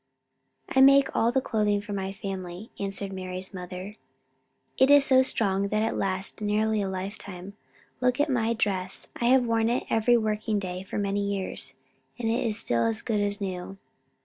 "I make all the clothing for my family," answered Mari's mother. "It is so strong it lasts nearly a lifetime. Look at my dress; I have worn it every working day for many years, and it is still as good as new."